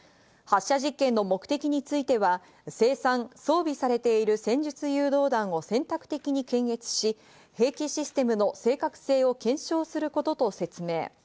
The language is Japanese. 発射実験の目的については、生産、装備されている戦術誘導弾を選択的に検閲し、兵器システムの正確性を検証することと説明。